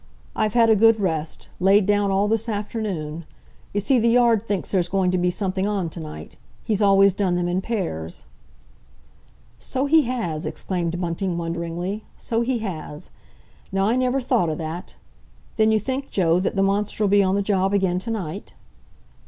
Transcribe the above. I've had a good rest—laid down all this afternoon. You see, the Yard thinks there's going to be something on to night. He's always done them in pairs." "So he has," exclaimed Bunting wonderingly. "So he has! Now, I never thought o' that. Then you think, Joe, that the monster'll be on the job again to night?"